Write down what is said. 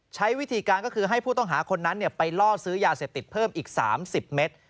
ใช้วิธีการก็คือให้ผู้ต้องหาคนนั้นไปล่อซื้อยาเสพติดเพิ่มอีก๓๐เมตร